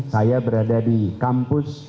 saya berada di kampus